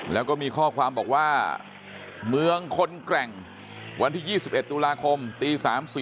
แล้วก็มีข้อความบอกว่าเมืองคนแกร่งวันที่๒๑ตุลาคมตี๓๔